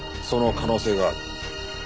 その可能性がある。